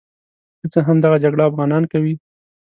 که څه هم دغه جګړه افغانان کوي.